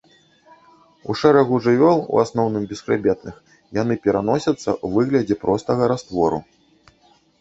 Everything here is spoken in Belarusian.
У шэрагу жывёл, у асноўным, бесхрыбетных, яны пераносяцца ў выглядзе простага раствору.